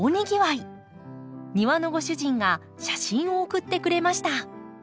庭のご主人が写真を送ってくれました。